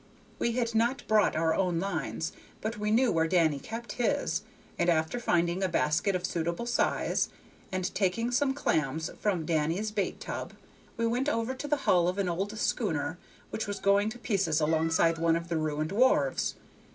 We had not brought our own lines, but we knew where Danny kept his, and after finding a basket of suitable size, and taking some clams from Danny's bait tub, we went over to the hull of an old schooner which was going to pieces alongside one of the ruined wharves.